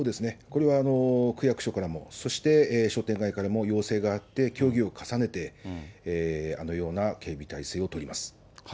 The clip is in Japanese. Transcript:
これは区役所からも、そして商店街からも要請があって、協議を重ねて、あのような警備態勢を取ります。